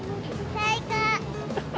最高！